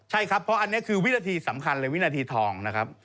ใช่ครับเพราะอันนี้คือวินาทีสำคัญเลยวินาทีทองนะครับ